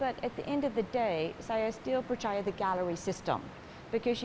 tapi pada akhirnya saya masih percaya pada sistem galeri